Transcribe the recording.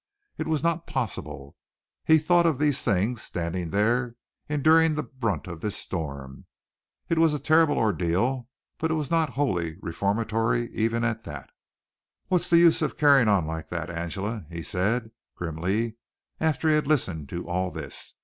It was not possible. He thought of these things, standing there enduring the brunt of this storm. It was a terrible ordeal, but it was not wholly reformatory even at that. "What's the use of your carrying on like that, Angela?" he said grimly, after he had listened to all this.